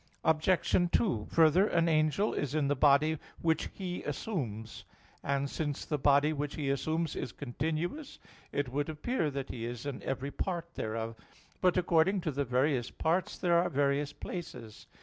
Obj. 2: Further, an angel is in the body which he assumes; and, since the body which he assumes is continuous, it would appear that he is in every part thereof. But according to the various parts there are various places.